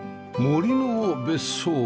森の別荘